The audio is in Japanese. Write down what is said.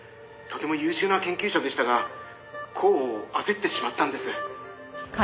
「とても優秀な研究者でしたが功を焦ってしまったんです」